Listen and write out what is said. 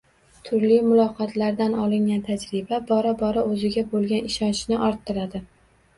Turli muloqotlardan olingan tajriba bora-bora o‘ziga bo‘lgan ishonchni orttiradi.